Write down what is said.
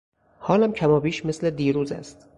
حالم کمابیش مثل دیروز است.